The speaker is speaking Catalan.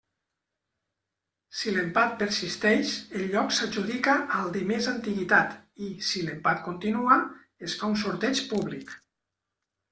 Si l'empat persisteix, el lloc s'adjudica al de més antiguitat i, si l'empat continua, es fa un sorteig públic.